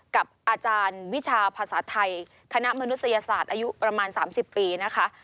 กับอาจารย์วิชาภาษาไทยคณะมนุษยศาสตร์อายุประมาณ๓๐ปีนะคะ